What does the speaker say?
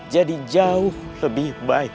jadi jauh lebih baik